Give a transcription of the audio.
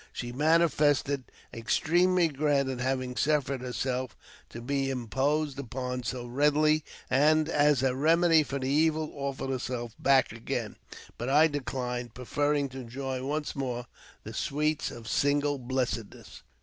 She manifested extreme regret at having suffered herself to be im posed upon so readily, and, as a remedy for the evil, offered herself back again ; but I declined, preferring to enjoy once more the sweets of single blessedness.